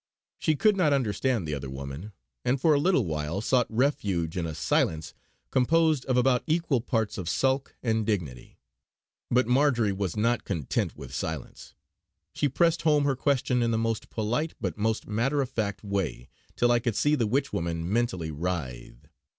She could not understand the other woman; and for a little while sought refuge in a silence composed of about equal parts of sulk and dignity. But Marjory was not content with silence; she pressed home her question in the most polite but most matter of fact way, till I could see the Witch woman mentally writhe.